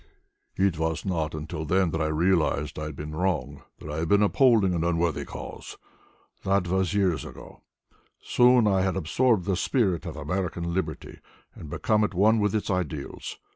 It was not until then that I realized that I had been wrong, that I had been upholding an unworthy cause. That was years ago. Soon I had absorbed the spirit of American liberty and became at one with its ideals.